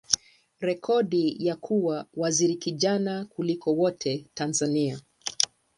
rekodi ya kuwa waziri kijana kuliko wote Tanzania.